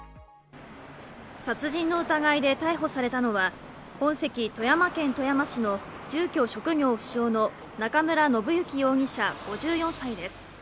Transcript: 殺人の疑いで逮捕されたのは、本籍富山県富山市の住居職業不詳の中村信之容疑者５４歳です。